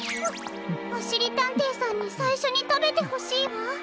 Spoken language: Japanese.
おしりたんていさんにさいしょにたべてほしいわ。